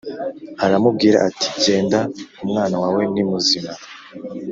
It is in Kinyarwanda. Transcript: Aramubwira ati: “Genda umwana wawe ni muzima.